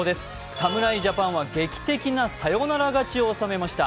侍ジャパンは劇的なサヨナラ勝ちを収めました。